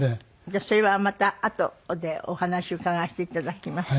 じゃあそれはまたあとでお話伺わせて頂きます。